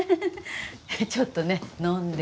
ちょっとね飲んでたの。